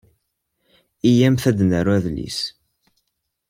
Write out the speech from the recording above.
Iyyamt ad d-naru adlis.